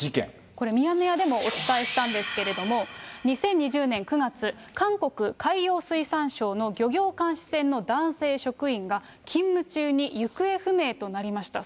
これ、ミヤネ屋でもお伝えしたんですけれども、２０２０年９月、韓国海洋水産省の漁業監視船の男性職員が勤務中に行方不明となりました。